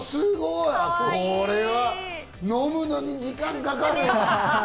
これは飲むのに時間かかるわ。